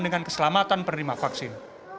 dengan keselamatan penerima vaksin